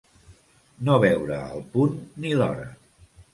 No veure el punt ni l'hora.